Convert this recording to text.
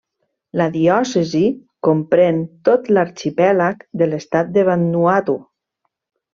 La diòcesi comprèn tot l'arxipèlag de l'estat de Vanuatu.